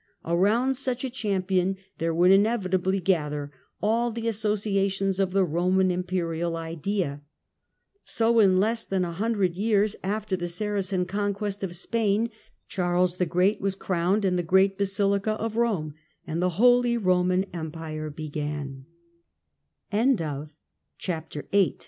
Around such a champion there would inevitably gather all the associations of the Roman Imperial idea. So in less than a hundred years after the Saracen conquest of Spain, Charles the Great was crowned in the great lea of Rome, and the Holy Roman